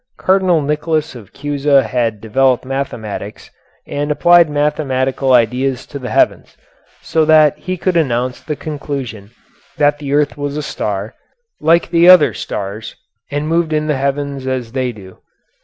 Cardinal Nicholas of Cusa had developed mathematics and applied mathematical ideas to the heavens, so that he could announce the conclusion that the earth was a star, like the other stars, and moved in the heavens as they do.